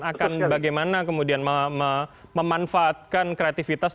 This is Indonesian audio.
akan bagaimana kemudian memanfaatkan kreativitas